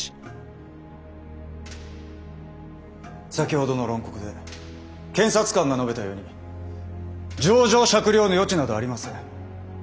先ほどの論告で検察官が述べたように情状酌量の余地などありません。